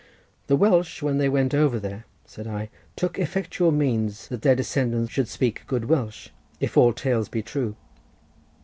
"The Welsh, when they went over there," said I, "took effectual means that their descendants should speak good Welsh, if all tales be true."